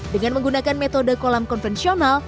dengan menggunakan metode kolam konvensional